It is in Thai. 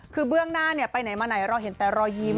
คือเบื้องหน้าไปไหนมาไหนเราเห็นแต่รอยยิ้ม